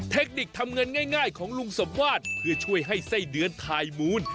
เทคนิคทำเงินง่ายของลุงสมวาสเพื่อช่วยให้ไส้เดือนถ่ายมูล